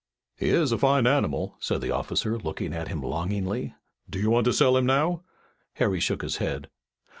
"He is a fine animal," said the officer, looking at him longingly. "Do you want to sell him now?" Harry shook his head.